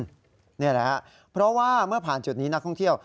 นี่แหละครับเพราะว่าเมื่อผ่านจุดนี้นักท่องเที่ยว